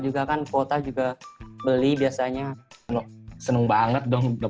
juga kan kuota juga beli biasanya seneng banget dong dapat apa pertama registrasinya juga nggak bayar